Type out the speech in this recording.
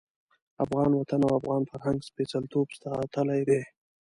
افغان وطن او افغان فرهنګ سپېڅلتوب ساتلی دی.